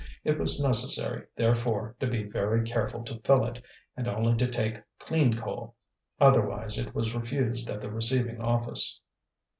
It was necessary, therefore, to be very careful to fill it, and only to take clean coal, otherwise it was refused at the receiving office.